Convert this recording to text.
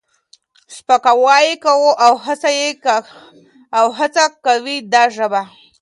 سپکاوی یې کوي او هڅه کوي دا ژبه